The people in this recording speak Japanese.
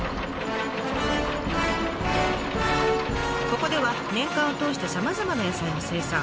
ここでは年間を通してさまざまな野菜を生産。